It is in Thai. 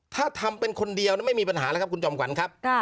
ถ้าทำเป็นคนเดียวไม่มีปัญหาแล้วครับคุณจอมขวัญครับ